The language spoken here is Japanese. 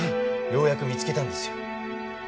ようやく見つけたんですよ